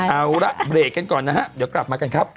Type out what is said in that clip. เอาละเบรกกันก่อนนะฮะเดี๋ยวกลับมากันครับ